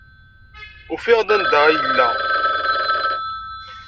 Ufiɣ-d anda ay yella.